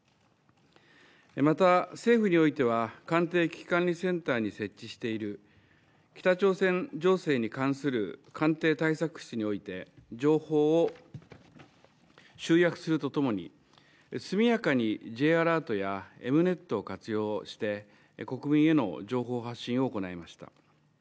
また、政府においては官邸危機管理センターに設置している北朝鮮情勢に関する官邸対策室において情報を集約するとともに速やかにＪアラートやＥｍ−Ｎｅｔを活用して国民への情報発信を行いました。